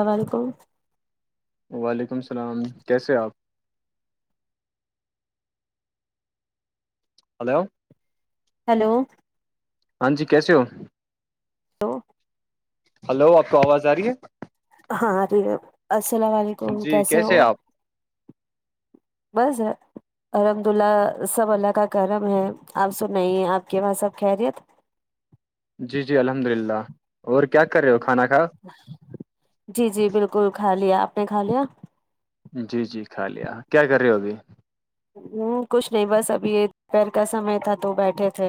و علیکم وعلیکم السلام کیسے آپ ہلو ہیلو ہاں جی کیسے ہو ہلو آپ کو آواز آ رہی ہے ہاں ٹھیک السلام علیکم کیسے ہو تچ [inaudible] بزار الحمد اللہ سب اللہ کا کرم ہے آپ سنائیے آپ کے وہاں سب خیریت جی جی الحمد للہ اور کیا کر رہے ہو کھانا کھا جی جی بالکل کھا لیا آپ نے کھا لیا جی جی کھا لیا کیا کر رہے ہو ابھی ہوں کچھ نہیں بس ابھی یہ پر کا سمے تھا تو بیٹھے تھے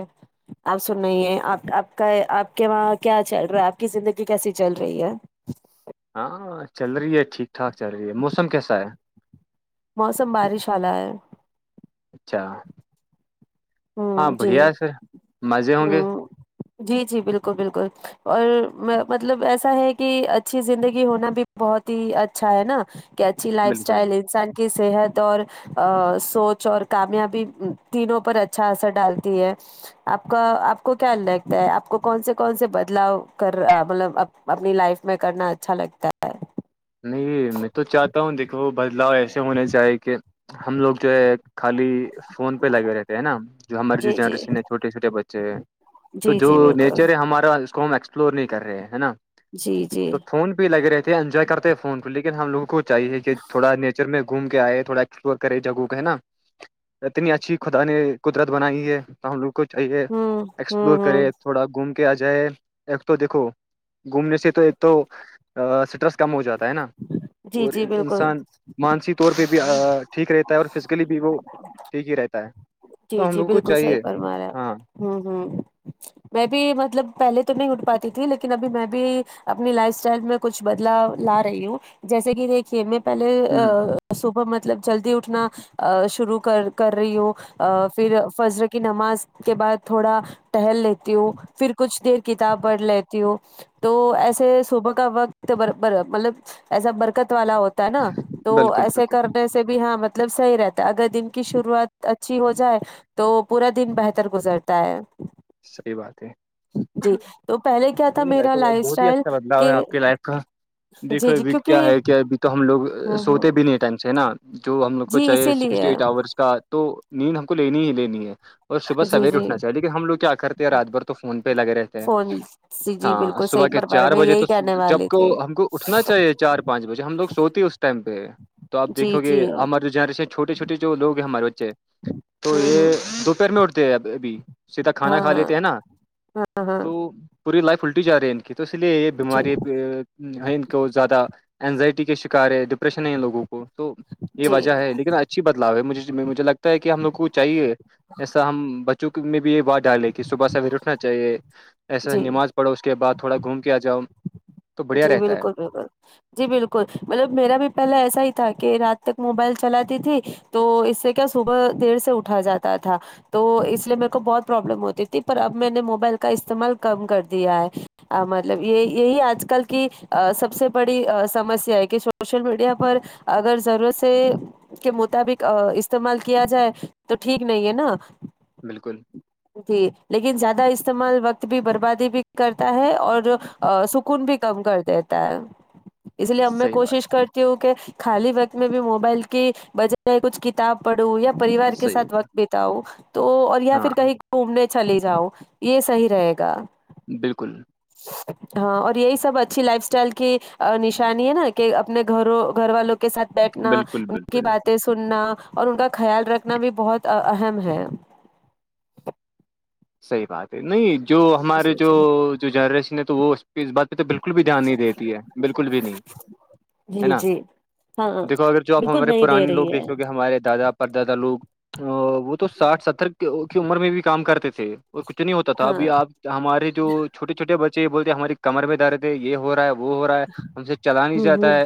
آپ سن رہ ہے آپ آپ کا آپ کے وہاں کیا چل رہا ہے آپ کی زندگی کیسی چل رہی ہے ہاں چل رہی ہے ٹھیک ٹھاک چل رہی ہے موسم کیسا ہے موسم بارش آا ہے اچھا ہ ہاں جی بڑھیا ہے سے مزے ہوں گے ہ جی جی بالکل بالکل اور مطلب ایسا ہے کہ اچھی زندگی ہونا بھی بہت ہی اچھا ہے نا ا کیاچھی لائف بالکل سٹائل ہے انسان کی صحت اور سوچ اور کامیابی تینوں پر اچ اچھا سا ڈالتی ہے آپ کا آپ کو کیا لگتا ہے آپ کو کون سے کون سے بدلاؤ کر رہا مطلب اپنی لائف میں کرنا اچھا لگتا ہے نہیں میں تو چاہتا ہوں دیکھو بدلاؤ ایسے ہونا چاہیے کہ ہم لوگ جو ہے خالی فون پہ لگے رہتے ہے نا جو ہمارے جو جی جی جنریشن ہے چھوٹے چھوٹے بچے ہیں تو جی جو جی بالکل نیچر ہے ہمارا ہم ایکسپلور نہیں کر رہے ہے نا جی جی تو فون بھی لگ رہے تھے انجوائے کرتے فون پ لیکن ہم لوگوں کو چاہیے کہ تھوڑا نیچر میں گھوم کے آئے تھوڑا سپور کرے جگہوں کو ہے نا اتنی اچھی خدا نے قدرت بنائی ہے تو ہم لوگ کو چاہیے ہوں ہوں ایکسپلور ہوں کرے تھوڑا گھوم کے آ جائے ایک تو دیکھو گھومنے سے تو ایک تو سٹرس کم ہو جاتا ہے نا جی اور جی بالکل انسان مانسی طور پہ بھی ٹھیک رہتا ہے اور فزیکلی بھی وہ ٹھیک ہی رہتا ہے جی تو ہم جی لوگوں کو بالکل صحیح چاہیے فرما رہے ہیں ہاں آپ ہوں ہوں میں بھی مطلب پہلے تو نہیں اٹھ پاتی تھی لیکن ابھی میں بھی اپنی لائف اسٹائل میں کچھ بدلا لا رہی ہوں جیسے کہ دیکھ کہ میں پہلے ہ صبح مطلب جلدی اٹھنا شروع کر کر رہی ہوں پھر فضر کی نماز کے بعد تھوڑا ٹہل لیتی ہوں پھر کچھ دی ک کتاب پڑھ لیتی ہوں تو ایسے صبح کا وقت مطلب ایسا برکت والا ہوتا نا تو بالکل ایسے بالکل کرنے سے سے بھی ہاں مطلب صحیح رہتا ہے اگر دن کی شروعات اچھی ہو جائے تو پورا دن بہتر گزرتا ہے صحی بات ہے جی تو پہلے کیا تھا نہیں میرا تو لائف بہت ہی اسٹائل اچھا بدلاؤ کہ ہے آپ کی لائف کا دیکھو جی جی ابھی کیا کیونکہ ہے کہ ابھی تو ہم لوگ ہوں ہوں سوتے بھی نہیں ہے نا جو ہم لوگ کو جی چاہے اسی سسٹی لیے ایٹ آورس کا تو نیند ہم کو لینی ہی لینی ہے اور صبح جی سویر جی اٹنا چاہیے کہ ہم لوگ کیا کرتے رات بھر تو فون پہ لگے رہتے ہیں فون جی جی ہاں بالکل صحیح صبح کے پرپار چار میں بجے یہی تو کہنے جب والے کو تھے ہم کو اٹھنا چاہیے چار پانچ بجے ہم لوگ سوتی ہیں اس ٹائم پہ تو آپ جی دیکھو گے جی ہوں ہمارے جو جنریشن چھوٹے چھوٹے جو لوگ ہیں ہمارے بچے تو ہوں یہ دوپہر میں اٹھتے اب ابھی سیدھا ہاں کھانا کھا ہاں لیتے ہیں نا ہاں ہاں تو پوری لائف ال الٹی جا رہی ہیں کہ تو اس لیے یہ جی بیماری ان کو زیادہ اینزائٹی کے شکار ہے ڈپریشن ہے ان لوگوں کو تو یہ جی وجہ ہے لیکن اچھی بدلاؤ ہے مجھے مجھے لگتا کہ ہم لوگ کو چاہیے ایسا ہم بچوں میں بھی یہ وارڈ ڈالے کہ صبح سویر اٹھنا چاہیے ایسا جی نماز پڑو اس کے بعد تھوڑا گھوم کے آ جاؤ تو بڑھیا جی رہتا ہے بالکل بالکل جی بالکل مطلب میرا بھی پہلا ایسا ہی تھا کہ رات تک موبائل چلاتی تھی تو اس سے کیا صبح دیر سے اٹھا جاتا تھا تو اس لیے میرے کو بہت پرابلم ہوتی تھی پر اب میں نے موبائل کا استعمال کم کر دیا ہے مطلب یہ یہی آج کل کل کی سب سے بڑیمسیا ہے کہ سوشل میڈیا پر اگر ضرورت سے کے مطابق استعمال کیا جائے تو ٹھیک نہیں ہے نا بالکل جی لیکن زیادہ استعمال وقت بھی بربادی بھی کرتا ہے اور سکون بھی کم کر دیتا ہے اس لیے اب میں صحیح بات کوشش کرتی ہوں کہ خالی وقت میں بھی موبائل کی بجائے کچھ ک کتاب پڑوں یا پریوار کے صحیح ساتھ وقت بتاؤ تو اور یا ہاں پھر کہیں گھومنے چلی جاؤ یہ صحیح رہے گا بالکل ہاں اور یہی سب اچھی لائف اسٹائل کی نشانی ہے نا کہ اپنے گھروں گھر والوں کے ساتھ بیٹھنا بالکل ان کی بالکل باتیں سننا اور ان کا خیال رکھنا بھی بہت اہم ہے صحیح بات ہے نہیں جو ہمارے جی جو جو جنریشن ہے تو وہ اس پہ اس بات پہ تو بالکل بھی دھیان نہیں دیتی ہے بالکل بھی نہیں جی ہے جی نا جی ہاں دیکھو اگر جو آپ بالکل ہمارے نہیں دے پرانے لوگ رہی ہے دیکھو گے ہمارے دادا پردادہ لوگ ا وہ تو ساٹھ ستر کی عمر میں بھی کام کرتے تھے اور کچھ نہیں ہوتا تھا ہاں ابھی آپ ہمارے جو چھوے چوٹے بچے یہ بولتے ہیں ہماری کمر میں درے تھے یہ ہو رہا ہے وہ ہو رہا ہے ہم سے چلا نہیں ہوں ہوں جاتا ہے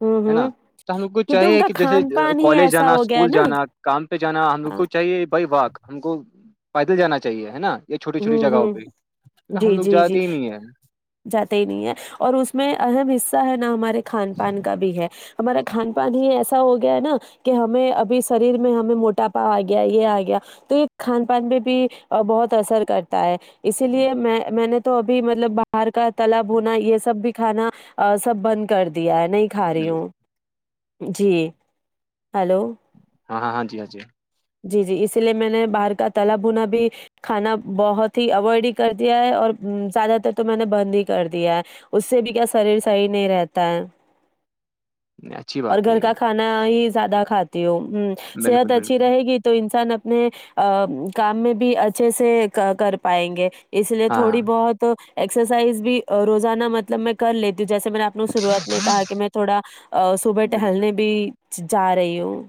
ہوں ہے ہوں نا تو ہم لوگ کو کیونکہ ان چاہیے کا کہ جیسے کھان پان ہی کالج ایسا جانا ہو گیا ہے اسکول نا جانا کام پہ جانا ہم لوگ ہاں کو چاہیے بائی واک ہم کو پیدل جانا چاہیے ہے نا یہ چھوٹی چھوٹی ہوں جگہوں ہوں پہ کی ہم جی، لوگ جی، جی، جاتے ہی نہیں ہیں جاتے ہی نہیں ہے اور اس میں اہم حصہ ہے نہ ہمارے کھان پان کا بھی ہے ہمارا کھان پان ہی ایسا ہو گیا ہے نا کہ ہمیں ابھی شریر میں ہمیں موٹاپا آ گیا یہ آ گیا تو یہ کھان پان پہ بھی بہت اثر کرتا ہے اسی لیے میں میں نے تو ابھی مطلب باہر کا تلا بھونا یہ سب بھی کھانا سب بند کر دیا ہے نہیں کھا رہی بالکل ہوں جی ہیلو ہاں ہاں ہاں جی ہاں جی جی جی اسی لیے میں نے باہر کا تلا بھونا بھی کھانا بہت ہی اوائڈ ہی کر دیا ہے اور زیادہ تر تو میں نے بند ہی کر دیا ہے اس سے بھی کیا شریر صحی نہیں رہتا ہے [inaudible] نہیں، اچھی اور بات ہے گھر یہ کا کھانا ہی زیادہ کھاتی ہو ہ صحت بالکل اچھی بالکل رہے گی تو انسان اپنے کام میں بھی اچھے سے کر پائیں گے اس لیے ہاں تھوڑی ہاں بہت ایکسرسائز بھی روزانہ مطلب میں کر لیتی ہوں جیسے میں نے نے شروعات میں کہا کہ میں تھوڑا صبح بالکل ٹہلنے بھی جا رہی ہوں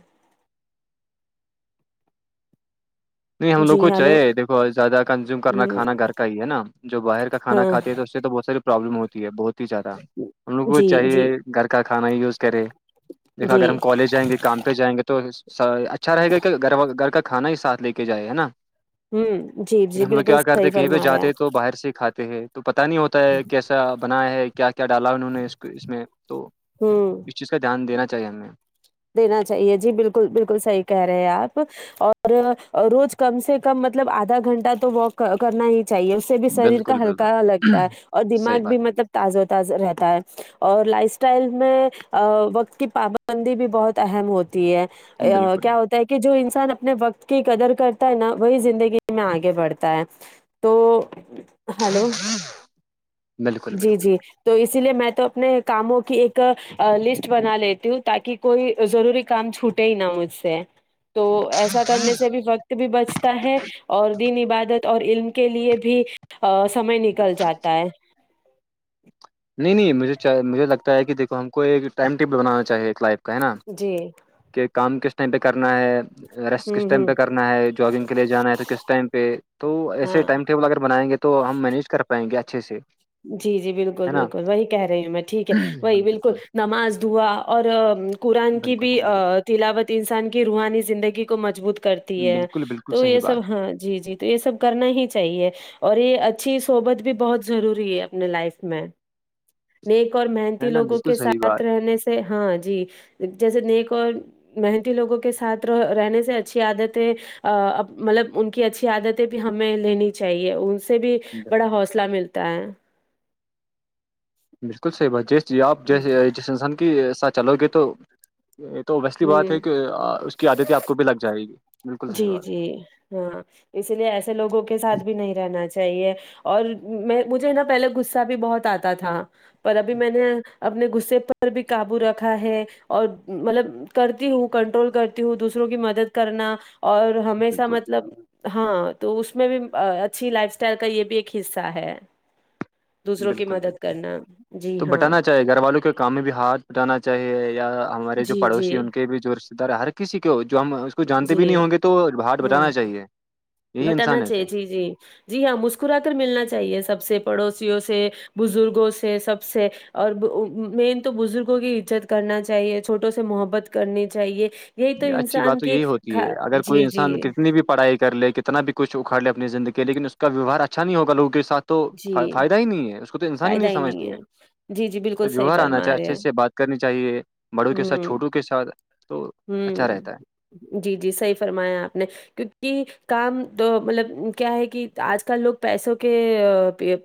نہیں ہم لوگ جی کو ہیلو، چاہیے دیکھو زیادہ کنزیوم کرنا ہوں، کانا گھر کا ہی ہے نا جو باہر کا کھان ہاں، کھاتے ہیں تو اس سے تو بہت ساری پرابلم ہوتی ہے بہت ہی زیادہ ہم لوگوں کو جی، جی۔ چاہیے گھر کا کھانا ہی یوز کرے دیکھا جی اگر ہم کالج جائیں گے کام پہ جائیں گے تو اچھا رہے گا کہ گھر گھر کا کھانا ہی ساتھ لے کے جائے ہے نا ہوں جی جی لیکن ہم لوگ بالکل کیا کرتے صحیح ہیں کہیں پہ فرما رہے جاتے آپ تو باہر سے ہی کھاتے ہیں تو پتا نہیں ہوتا ہے کیسا بنا ہے کیا کیا ڈالا انہوں نے اس کو اس میں تو ہوں اس چیز کا دھیان دینا چاہیے ہمیں دینا چاہیے جی بالکل بالکل صحی کہہ رہے ہیں آپ اور روز کم سے کم مطلب آدھا گھنٹہ تو واک کرنا ہی چاہیے اس سے بھی شریر کا بالکل ہلکا بالکل لگتا ہے اور صحیح دماغ بھی بات ہے مطلب تازہ تازہ رہتا ہے اور لائف اسٹائل میں وقت کی پابندی بھی بہت اہم ہوتی ہے بالکل کیا ہو کہ جو انسان اپنے وقت کی قدر کرتا ہے نا وہی زندگی میں آگے بڑھتا ہے تو ہلو بالکل جی بالکل جی تو اسی لیے میں تو اپنے کاموں کی ایک لسٹ بنا لیتی ہوں تاکہ کوئی ضروری کام چھوٹے ہی نا مجھ سے تو ایسا کرنے سے بھی وقت وقت بھی بچتا ہے اور دین عبادت اور علم کے لیے بھی ا سمے نکل جاتا ہے نہیں نہیں مجھے مجھے لگتا ہے کہ دیھکو ہم کو ایک ٹائم ٹیبل بنانا چاہے ایک لائف کیا ہے نا جی کہ کام کس ٹائم پہ کرنا ہے ریسٹ کس ہوں ٹائم ہوں پہ کرنا ہے جاگنگ کے لیے جانا ہے تو کس ٹائم پہ تو ایسے ہاں ٹائم اگر بناے گے تو ہم مینیج کر پائیں گے اچھے سے جی جی بالکل نا بالکل وہی کہہ رہی ہوں میں ٹھیک ہے وہی بالکل نماز دوا اور قرآن کی بالکل بھی بالکل تلاوت انسان کی روحانی زندگی کو مضبوط کرتی ہے بالکل بالکل تو یہ صحیح سب بات ہاں جی جی تو یہ سب کرنا ہی چاہیے اور یہ اچھی صحبت بھی بہت ضروری اپنے لائف میں نیک اور ہے محنتی نا لوگوں بالکل کے صحیح ساتھ بات رہنے سے ہاں جی جیسے نیک اور محنتی لوگوں کے ساتھ رہ رہنے سے اچھی عادت ہے اہ مطلب ان کی اچھی عادتیں بھی ہمیں لینی چاہیے سے بھی بڑا حوصلہ ملتا ہے بالکل صحی بات جی جی آپ جس جس انسان کے ساتھ چلو گے تو یہ تو اویسلی بات ہ ہے کہ اس کی عادتیں آپ کو بھی لگ جائے گی بالکل جی صحیح بات جی ہاں اس لیے ایسے لوگوں کے ساتھ بھی نہیں رہنا چاہیے اور میں مجھے نا پہلے غصہ بھی بہت آتا تھا پر ابھی میں نے اپنے غصے پر بھی قابو رکھا ہے اور مطلب کرتی ہوں کنٹرول کرتی ہوں دوسروں کی مدد کرنا اور ہمیشہ بالکل مطلب ہاں تو اس میں بھی اچھی لائف اسٹائل کا یہ بھی ایک حصہ ہے دوسروں کی بالکل مدد بالکل کرنا جی تو ہاں بٹانا گھر والوں کے کام میں بھی ہاتھ پٹانا چاہیے یا ہمارے جو جی پڑوسی جی ان کے بھی جو ار ہر کسی کو جو ہم اس کو جانتے بھی نہیں جی ہوں گے تو بھاٹ بٹانا چاہیے یہی بھٹانا انسانیت ہے چاہیے جی جی جی ہاں مسکرا کر ملنا چاہیے سب سے پڑوسیوں سے بزرگوں سے سب سے اور مین تو بزرگوں کی عزت کرنا چاہیے چھوٹوں سے محبت کرنی چاہیے یہی تو اچھی بات انسان تو کی یہی ہوتی ہے کھا- اگر کوئی جی جی انسان کتنی بھی پڑھائی کر لے کتنا بھی کچ اکھاڑے اپنی زندگی لیکن اس کا ویوہار اچھا نہیں ہوگ لوگ کے سات تو جی فائدہ ہی نہیں ہے اس کو تو انسان ہی نہیں سمجتے جی جی بالکل صحیح ویوار آنا چاہے فرما رہے اچھے ہیں سے بات کرنی چاہیے بڑوں کے ساتھ ہوں چھوٹوں کے ساتھ تو اچھا ہوں رہتا ہے جی جی صحیح فرمایا آپ نے کیونکہ کام تو مطلب کیا ہے کہ آج کل لوگ پیسوں کے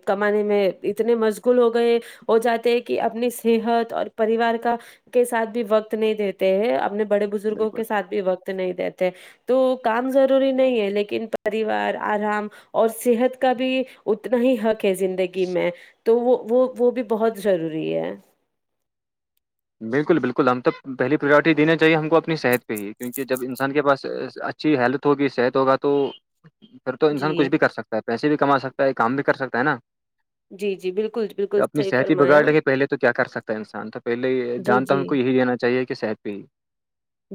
کمانے میں اتنے مشغول ہو گئے وہ جاتے ہیں کہ اپنی صحت اور پریوار کا کے ساتھ بھی وقت نہیں دیتے ہیں اپنے بڑے بزرگوں بالکل کے سھ بھی وقت نہیں دیتے تو کام ضروری نہیں ہے لیکن پریوار آرام اور صحت کا بھی اتنا ہی حق ہے زندگی میں تو وہ وہ وہ بھی بہت ضروری ہے بالکل بالکل ہم تو پہلی پریورٹی دینی چاہیے ہم کو اپنی صحت پہ ہی کیونکہ جب انسان کے پاس اچھ اچھی ہیلتھ ہوگی صحت ہوگا تو پھر تو انسان کچھ جی بھی کر سکتا ہے پیسے بھی کما سکتا ہے کام بھی کر سکتا ہے نا جی جی بالکل بالکل اپنی صحیح صحت ہی فرمایا بگاڑ لے کے پہلے تو کیا کر سکتا ہے انسان تو پہلے جی دھیان تو جی ہم کو یہی دینا چاہیے کہ شر پہ ہی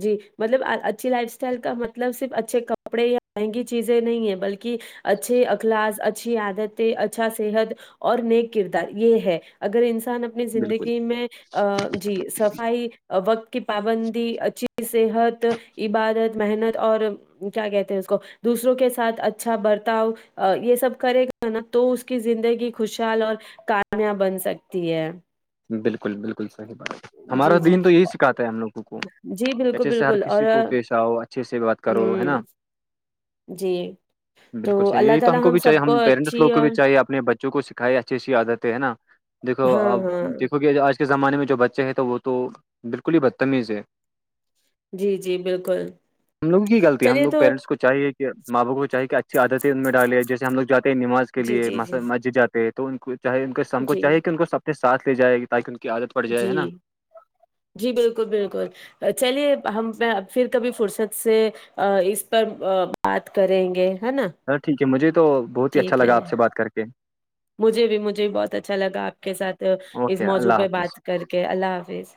جی مطلب اچھی لائف اسٹائل کا مطلب صرف اچھے کپڑے یا مہنگی چیزیں نہیں ہے بلکہ اچھے اخلاص اچھی عادت اچھا صحت اور نیک کردار یہ ہے اگر انسان اپنی زندگی بالکل میں ا جی صفائی وقت کی پابندی اچ صحت عبادت محنت اور کیا کہتے ہیں اس کو دوسروں کے ساتھ اچھا برتاؤ یہ سب کرے گا نا تو اس کی زندگی خوشحال اور کامیاب بن سکتی ہے بالکل بالکل صح ب ہمارا جی جی دین تو یہی سکھاتا ہے ہم لوگوں کو جی بالکل اچھے سے ہر بالکل اور کسی کو پیش آؤ اچھے سے بات ہ کرو ہے نا جی تو بالکل صحیح اللہ یہی تو تعالی ہم کو بھی چاہیے سب ہم پیرنٹس اچھی لوگ کو بھی اور چاہیے اپنے بچوں کو کئی اچھی اچھی عادتیں ہے نا دیکھو ہاں اب ہاں کیکہ آج کے زمانے میں جو بچے ہیں توے وہ تو بالکل ہی بدتمیز ہے جی جی بالکل ہم لووں کی غطی ہم چلیے لوگ تو پیرنٹس کو چاہیے کہ ماں بپ کواہے اچھی عادتیں ان میں ڈالے جیسے ہم لوگاتے نماز کے جی لیے جی جی مسجد جاتے تو ان کو چاہے ان س ہم کو جی چاہے کہ ان کو س اپنے ساتھ لے جائے گا تاکہ ان کی عادت پڑ جائے ہے جی نا جی بالکل بالکل چلیے ہم میں پھر کبھی فرصت سے ا اس پر بات کریں گے ہے نا چلو ٹھیک ہے مجھے تو بہت ٹھیک ہے اچھاگا آپ بات کر کے مجھے بھی مجھے بھی بہت اچھا لگا آپ کے ساتھ اس اوکے موضوع اللہ پہ حافظ بات کر کے اوکے اللہ حافظ